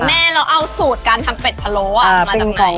แม่แล้วเอาสูตรการทำเป็ดพะโล้มาจากไหน